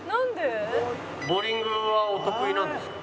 ボウリングはお得意なんですか？